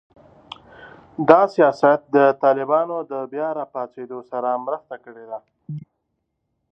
دا سیاست د طالبانو د بیا راپاڅېدو سره مرسته کړې ده